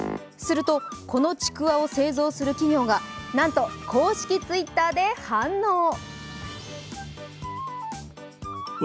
すると、このちくわを製造する企業がなんと、公式Ｔｗｉｔｔｅｒで反応。